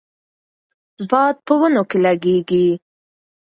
باد په ونو کې لګیږي.